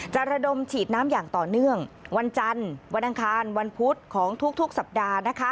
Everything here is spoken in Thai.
ระดมฉีดน้ำอย่างต่อเนื่องวันจันทร์วันอังคารวันพุธของทุกสัปดาห์นะคะ